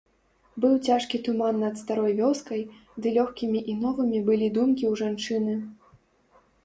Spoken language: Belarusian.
Быў цяжкі туман над старой вёскай, ды лёгкімі і новымі былі думкі ў жанчыны.